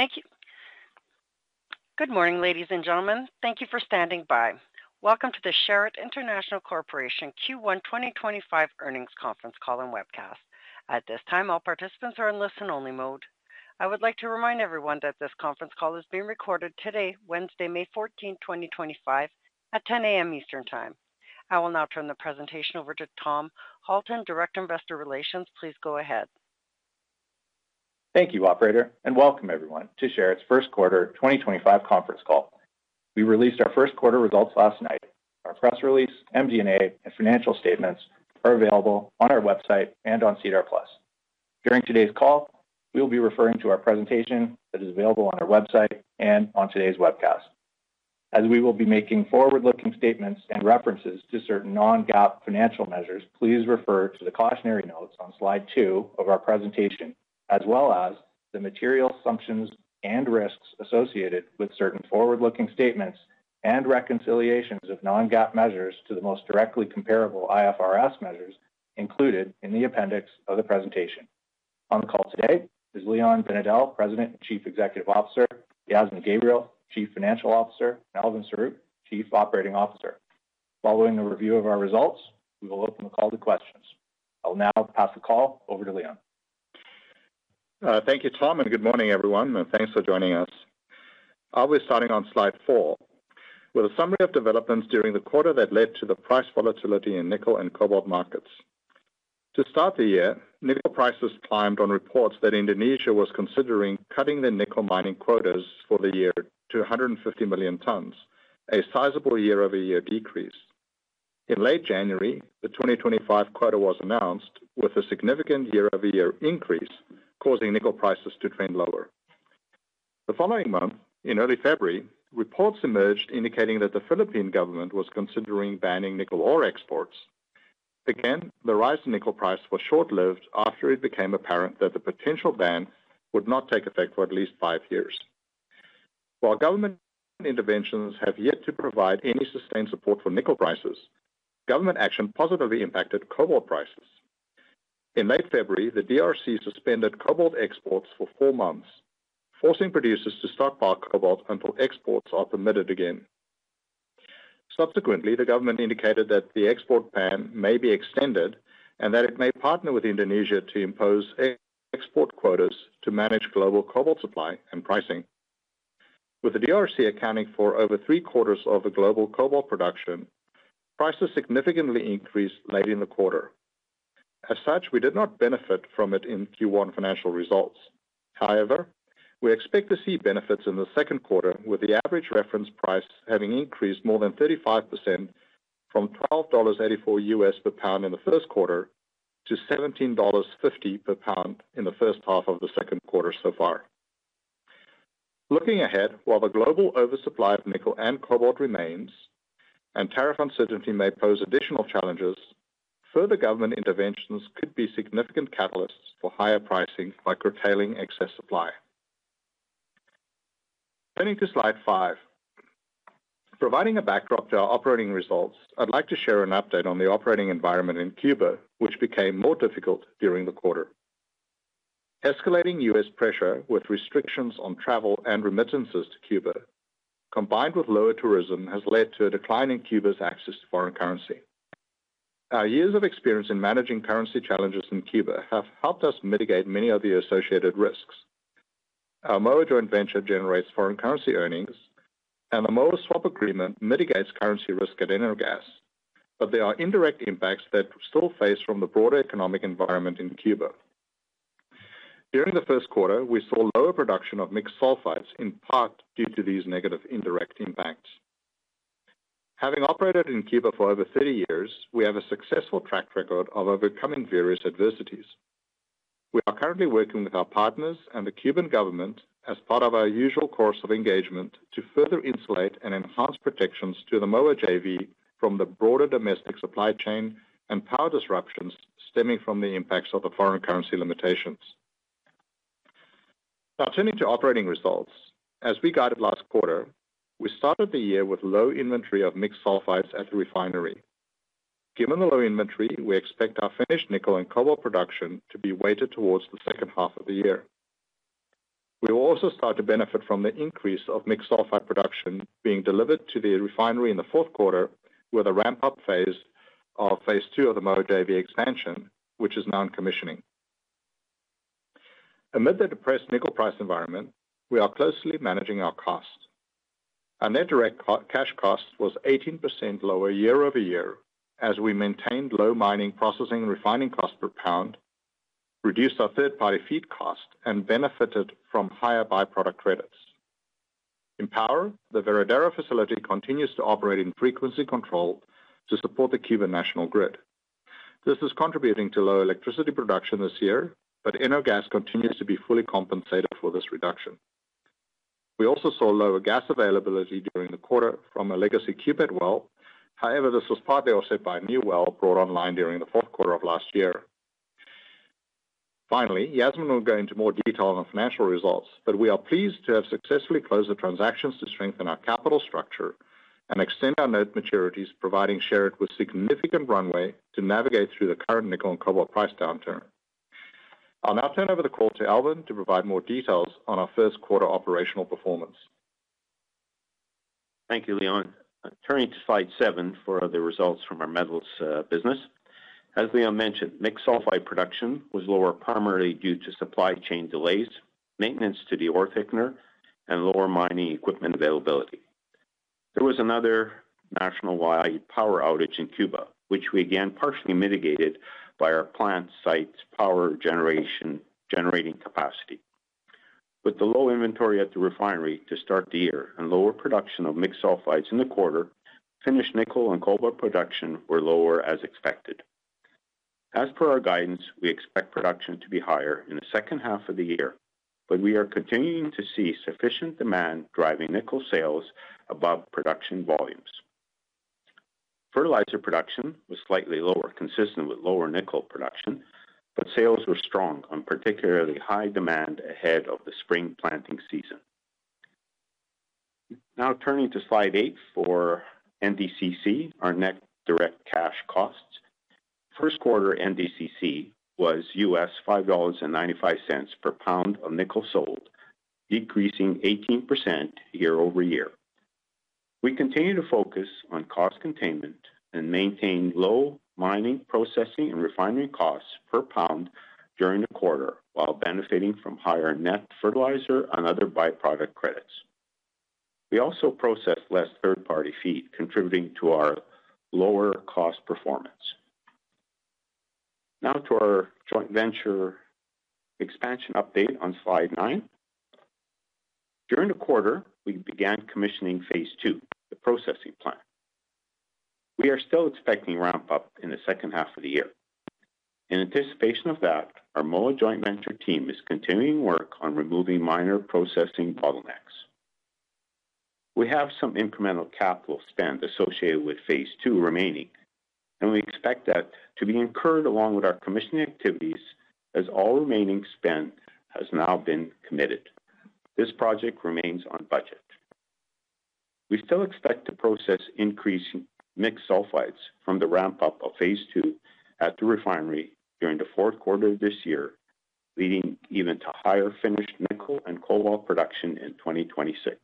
Thank you. Good morning, ladies and gentlemen. Thank you for standing by. Welcome to the Sherritt International Corporation Q1 2025 earnings conference call and webcast. At this time, all participants are in listen-only mode. I would like to remind everyone that this conference call is being recorded today, Wednesday, May 14, 2025, at 10:00 AM Eastern Time. I will now turn the presentation over to Tom Halton, Director of Investor Relations. Please go ahead. Thank you, Operator, and welcome everyone to Sherritt's first quarter 2025 conference call. We released our first quarter results last night. Our press release, MD&A, and financial statements are available on our website and on SEDAR+. During today's call, we will be referring to our presentation that is available on our website and on today's webcast. As we will be making forward-looking statements and references to certain non-GAAP financial measures, please refer to the cautionary notes on slide two of our presentation, as well as the material assumptions and risks associated with certain forward-looking statements and reconciliations of non-GAAP measures to the most directly comparable IFRS measures included in the appendix of the presentation. On the call today is Leon Binedell, President and Chief Executive Officer, Yasmin Gabriel, Chief Financial Officer, and Elvin Saruk, Chief Operating Officer. Following the review of our results, we will open the call to questions. I'll now pass the call over to Leon. Thank you, Tom, and good morning, everyone, and thanks for joining us. I'll be starting on slide four with a summary of developments during the quarter that led to the price volatility in nickel and cobalt markets. To start the year, nickel prices climbed on reports that Indonesia was considering cutting the nickel mining quotas for the year to 150 million tons, a sizable year-over-year decrease. In late January, the 2025 quota was announced with a significant year-over-year increase, causing nickel prices to trend lower. The following month, in early February, reports emerged indicating that the Philippine government was considering banning nickel ore exports. Again, the rise in nickel price was short-lived after it became apparent that the potential ban would not take effect for at least five years. While government interventions have yet to provide any sustained support for nickel prices, government action positively impacted cobalt prices. In late February, the DRC suspended cobalt exports for four months, forcing producers to stockpile cobalt until exports are permitted again. Subsequently, the government indicated that the export ban may be extended and that it may partner with Indonesia to impose export quotas to manage global cobalt supply and pricing. With the DRC accounting for over three-quarters of the global cobalt production, prices significantly increased late in the quarter. As such, we did not benefit from it in Q1 financial results. However, we expect to see benefits in the second quarter, with the average reference price having increased more than 35% from $12.84 per pound in the first quarter to $17.50 per pound in the first half of the second quarter so far. Looking ahead, while the global oversupply of nickel and cobalt remains and tariff uncertainty may pose additional challenges, further government interventions could be significant catalysts for higher pricing by curtailing excess supply. Turning to slide five, providing a backdrop to our operating results, I'd like to share an update on the operating environment in Cuba, which became more difficult during the quarter. Escalating U.S. pressure with restrictions on travel and remittances to Cuba, combined with lower tourism, has led to a decline in Cuba's access to foreign currency. Our years of experience in managing currency challenges in Cuba have helped us mitigate many of the associated risks. Our Moa joint venture generates foreign currency earnings, and the cobalt swap agreement mitigates currency risk at Energas, but there are indirect impacts that we still face from the broader economic environment in Cuba. During the first quarter, we saw lower production of mixed sulfites, in part due to these negative indirect impacts. Having operated in Cuba for over 30 years, we have a successful track record of overcoming various adversities. We are currently working with our partners and the Cuban government as part of our usual course of engagement to further insulate and enhance protections to the Moa JV from the broader domestic supply chain and power disruptions stemming from the impacts of the foreign currency limitations. Now, turning to operating results, as we guided last quarter, we started the year with low inventory of mixed sulfites at the refinery. Given the low inventory, we expect our finished nickel and cobalt production to be weighted towards the second half of the year. We will also start to benefit from the increase of mixed sulfite production being delivered to the refinery in the fourth quarter, with a ramp-up phase of phase two of the Moa JV expansion, which is now in commissioning. Amid the depressed nickel price environment, we are closely managing our cost. Our net direct cash cost was 18% lower year-over-year as we maintained low mining, processing, and refining costs per pound, reduced our third-party feed cost, and benefited from higher byproduct credits. In power, the Varadero facility continues to operate in frequency control to support the Cuban National Grid. This is contributing to low electricity production this year, but Energas continues to be fully compensated for this reduction. We also saw lower gas availability during the quarter from a legacy QPET well. However, this was partly offset by a new well brought online during the fourth quarter of last year. Finally, Yasmin will go into more detail on the financial results, but we are pleased to have successfully closed the transactions to strengthen our capital structure and extend our net maturities, providing Sherritt with significant runway to navigate through the current nickel and cobalt price downturn. I'll now turn over the call to Elvin to provide more details on our first quarter operational performance. Thank you, Leon. Turning to slide seven for the results from our metals business. As Leon mentioned, mixed sulfite production was lower primarily due to supply chain delays, maintenance to the ore thickener, and lower mining equipment availability. There was another national-wide power outage in Cuba, which we again partially mitigated by our plant site's power generation capacity. With the low inventory at the refinery to start the year and lower production of mixed sulfites in the quarter, finished nickel and cobalt production were lower as expected. As per our guidance, we expect production to be higher in the second half of the year, but we are continuing to see sufficient demand driving nickel sales above production volumes. Fertilizer production was slightly lower, consistent with lower nickel production, but sales were strong on particularly high demand ahead of the spring planting season. Now turning to slide eight for NDCC, our net direct cash costs. First quarter NDCC was $5.95 per pound of nickel sold, decreasing 18% year-over-year. We continue to focus on cost containment and maintain low mining, processing, and refining costs per pound during the quarter while benefiting from higher net fertilizer and other byproduct credits. We also processed less third-party feed, contributing to our lower cost performance. Now to our joint venture expansion update on slide nine. During the quarter, we began commissioning phase 2, the processing plant. We are still expecting ramp-up in the second half of the year. In anticipation of that, our Moa joint venture team is continuing work on removing minor processing bottlenecks. We have some incremental capital spend associated with phase 2 remaining, and we expect that to be incurred along with our commissioning activities as all remaining spend has now been committed. This project remains on budget. We still expect to process increasing mixed sulfides from the ramp-up of phase two at the refinery during the fourth quarter of this year, leading even to higher finished nickel and cobalt production in 2026.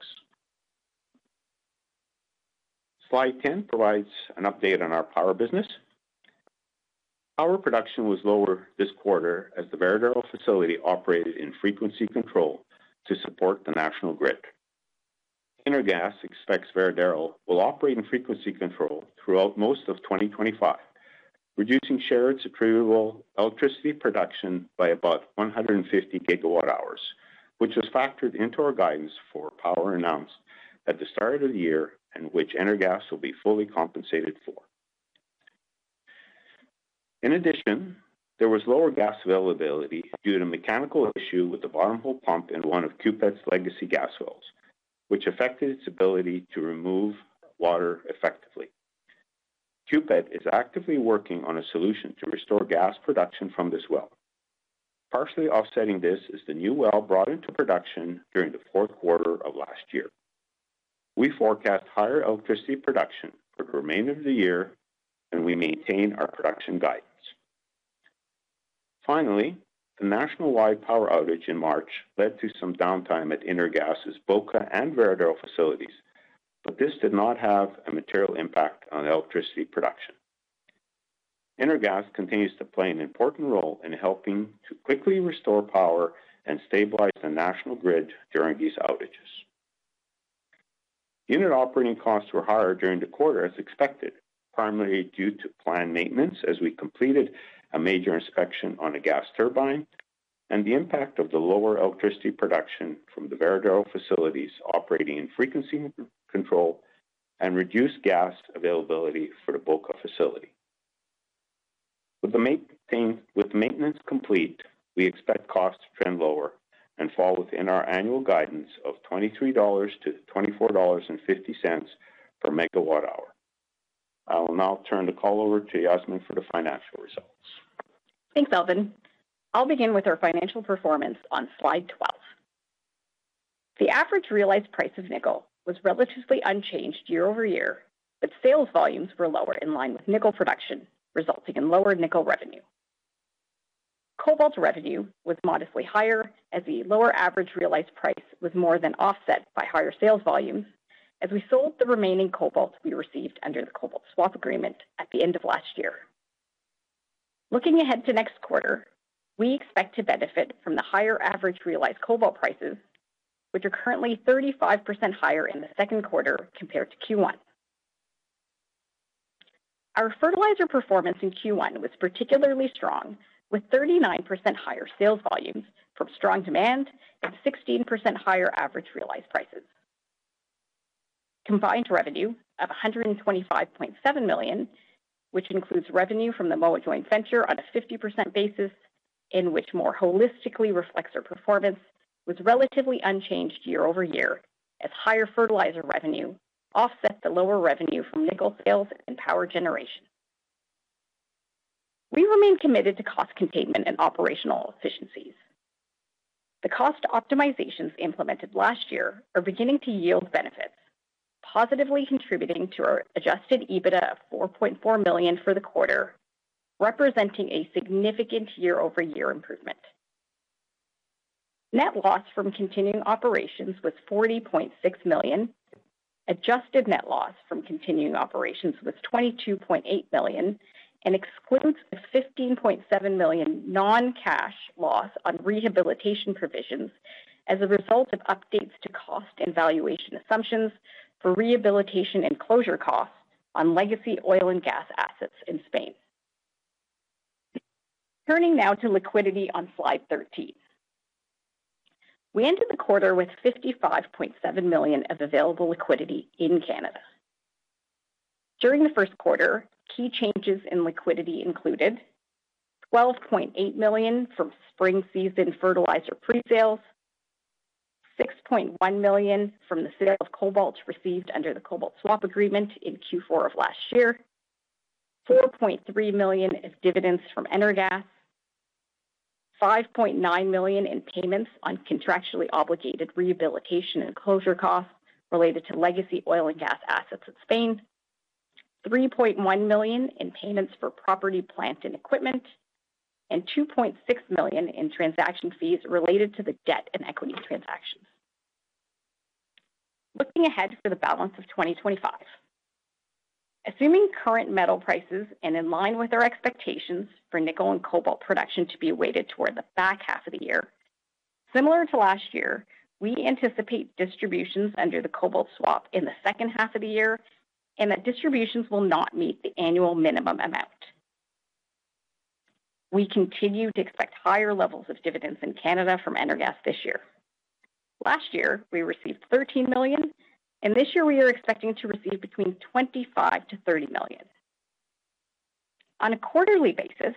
Slide 10 provides an update on our power business. Power production was lower this quarter as the Varadero facility operated in frequency control to support the National Grid. Energas expects Varadero will operate in frequency control throughout most of 2025, reducing shared suppliable, electricity production by about 150 GW hours, which was factored into our guidance for power announced at the start of the year and which Energas will be fully compensated for. In addition, there was lower gas availability due to a mechanical issue with the bottom hole pump in one of QPET's legacy gas wells, which affected its ability to remove water effectively. QPET is actively working on a solution to restore gas production from this well. Partially offsetting this is the new well brought into production during the fourth quarter of last year. We forecast higher electricity production for the remainder of the year, and we maintain our production guidance. Finally, the nationwide power outage in March led to some downtime at Energas's Boca and Varadero facilities, but this did not have a material impact on electricity production. Energas continues to play an important role in helping to quickly restore power and stabilize the national grid during these outages. Unit operating costs were higher during the quarter as expected, primarily due to planned maintenance as we completed a major inspection on a gas turbine and the impact of the lower electricity production from the Varadero facilities operating in frequency control and reduced gas availability for the Boca facility. With maintenance complete, we expect costs to trend lower and fall within our annual guidance of $23-$24.50 per MWh. I will now turn the call over to Yasmin for the financial results. Thanks, Elvin. I'll begin with our financial performance on slide 12. The average realized price of nickel was relatively unchanged year-over-year, but sales volumes were lower in line with nickel production, resulting in lower nickel revenue. Cobalt revenue was modestly higher as the lower average realized price was more than offset by higher sales volumes as we sold the remaining cobalt we received under the cobalt swap agreement at the end of last year. Looking ahead to next quarter, we expect to benefit from the higher average realized cobalt prices, which are currently 35% higher in the second quarter compared to Q1. Our fertilizer performance in Q1 was particularly strong, with 39% higher sales volumes from strong demand and 16% higher average realized prices. Combined revenue of $125.7 million, which includes revenue from the Moa JV on a 50% basis and which more holistically reflects our performance, was relatively unchanged year-over-year as higher fertilizer revenue offset the lower revenue from nickel sales and power generation. We remain committed to cost containment and operational efficiencies. The cost optimizations implemented last year are beginning to yield benefits, positively contributing to our adjusted EBITDA of $4.4 million for the quarter, representing a significant year-over-year improvement. Net loss from continuing operations was $40.6 million. Adjusted net loss from continuing operations was $22.8 million and excludes the $15.7 million non-cash loss on rehabilitation provisions as a result of updates to cost and valuation assumptions for rehabilitation and closure costs on legacy oil and gas assets in Spain. Turning now to liquidity on slide 13. We ended the quarter with $55.7 million of available liquidity in Canada. During the first quarter, key changes in liquidity included $12.8 million from spring season fertilizer presales, $6.1 million from the sale of cobalt received under the cobalt swap agreement in Q4 of last year, $4.3 million as dividends from Energas, $5.9 million in payments on contractually obligated rehabilitation and closure costs related to legacy oil and gas assets in Spain, $3.1 million in payments for property, plant, and equipment, and $2.6 million in transaction fees related to the debt and equity transactions. Looking ahead for the balance of 2025, assuming current metal prices and in line with our expectations for nickel and cobalt production to be weighted toward the back half of the year, similar to last year, we anticipate distributions under the cobalt swap in the second half of the year and that distributions will not meet the annual minimum amount. We continue to expect higher levels of dividends in Canada from Energas this year. Last year, we received $13 million, and this year we are expecting to receive between $25 million-$30 million. On a quarterly basis,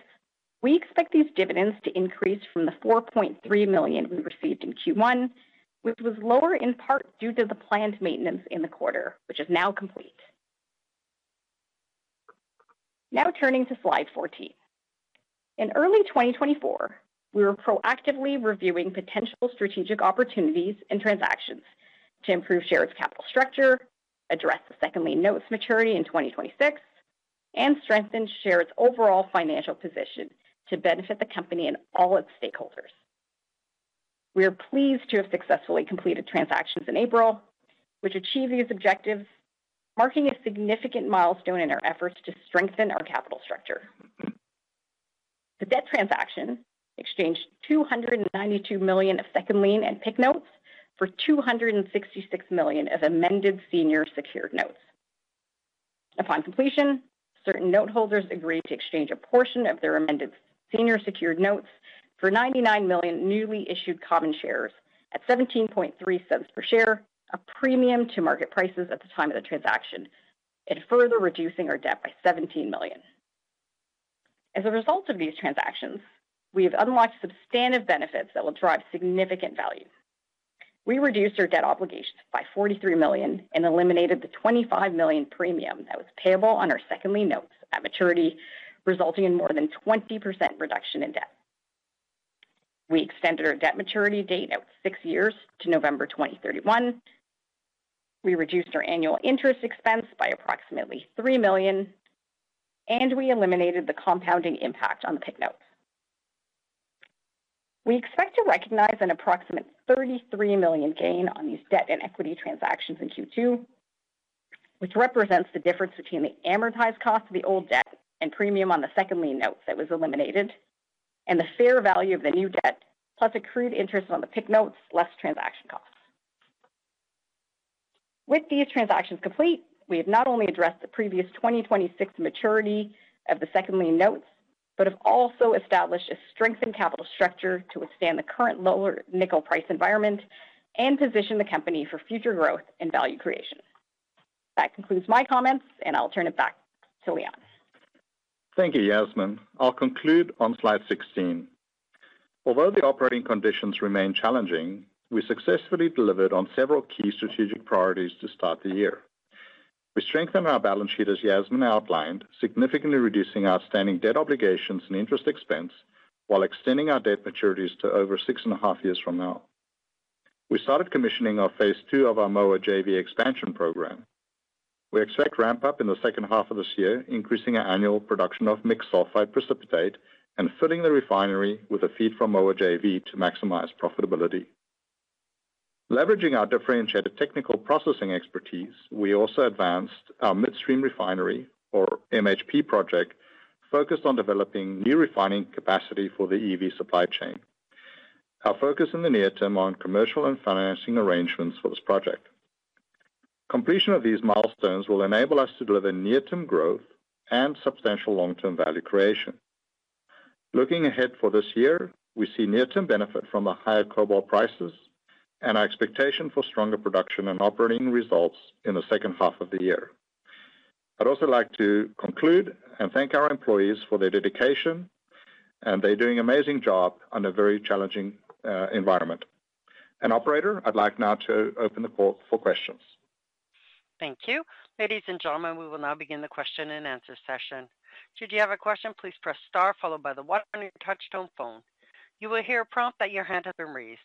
we expect these dividends to increase from the $4.3 million we received in Q1, which was lower in part due to the planned maintenance in the quarter, which is now complete. Now turning to slide 14. In early 2024, we were proactively reviewing potential strategic opportunities and transactions to improve Sherritt's capital structure, address the second-line notes maturity in 2026, and strengthen Sherritt's overall financial position to benefit the company and all its stakeholders. We are pleased to have successfully completed transactions in April, which achieved these objectives, marking a significant milestone in our efforts to strengthen our capital structure. The debt transaction exchanged $292 million of second-line and PIK notes for $266 million of amended senior secured notes. Upon completion, certain noteholders agreed to exchange a portion of their amended senior secured notes for $99 million newly issued common shares at $17.30 per share, a premium to market prices at the time of the transaction, and further reducing our debt by $17 million. As a result of these transactions, we have unlocked substantive benefits that will drive significant value. We reduced our debt obligations by $43 million and eliminated the $25 million premium that was payable on our second-line notes at maturity, resulting in more than 20% reduction in debt. We extended our debt maturity date out six years to November 2031. We reduced our annual interest expense by approximately $3 million, and we eliminated the compounding impact on the PIK notes. We expect to recognize an approximate $33 million gain on these debt and equity transactions in Q2, which represents the difference between the amortized cost of the old debt and premium on the second-line notes that was eliminated, and the fair value of the new debt, plus accrued interest on the pick notes, less transaction costs. With these transactions complete, we have not only addressed the previous 2026 maturity of the second-line notes, but have also established a strengthened capital structure to withstand the current lower nickel price environment and position the company for future growth and value creation. That concludes my comments, and I'll turn it back to Leon. Thank you, Yasmin. I'll conclude on slide 16. Although the operating conditions remain challenging, we successfully delivered on several key strategic priorities to start the year. We strengthened our balance sheet as Yasmin outlined, significantly reducing outstanding debt obligations and interest expense while extending our debt maturities to over six and a half years from now. We started commissioning phase two of our Moa JV expansion program. We expect ramp-up in the second half of this year, increasing our annual production of mixed sulfide precipitate and filling the refinery with feed from Moa JV to maximize profitability. Leveraging our differentiated technical processing expertise, we also advanced our midstream refinery, or MHP project, focused on developing new refining capacity for the EV supply chain. Our focus in the near term is on commercial and financing arrangements for this project. Completion of these milestones will enable us to deliver near-term growth and substantial long-term value creation. Looking ahead for this year, we see near-term benefit from the higher cobalt prices and our expectation for stronger production and operating results in the second half of the year. I'd also like to conclude and thank our employees for their dedication and their doing an amazing job under very challenging environment. Operator, I'd like now to open the call for questions. Thank you. Ladies and gentlemen, we will now begin the question and answer session. Should you have a question, please press star followed by the one on your touchstone phone. You will hear a prompt that your hand has been raised.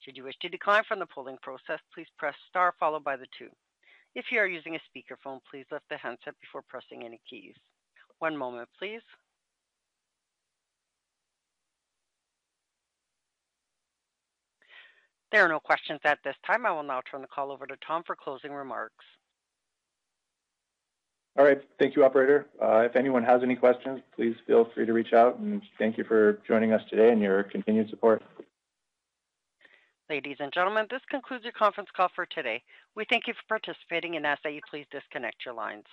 Should you wish to decline from the polling process, please press star followed by the two. If you are using a speakerphone, please lift the handset before pressing any keys. One moment, please. There are no questions at this time. I will now turn the call over to Tom for closing remarks. All right. Thank you, Operator. If anyone has any questions, please feel free to reach out. Thank you for joining us today and your continued support. Ladies and gentlemen, this concludes your conference call for today. We thank you for participating and ask that you please disconnect your lines.